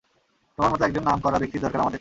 তোমার মতো একজন নামকরা ব্যক্তির দরকার আমাদের।